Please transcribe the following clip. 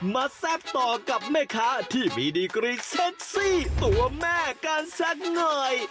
แซ่บต่อกับแม่ค้าที่มีดีกรีเซ็กซี่ตัวแม่กันสักหน่อย